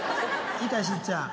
いいかいしずちゃん。